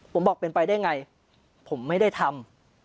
ผมบอกเป็นไปได้ไงผมไม่ได้ทำ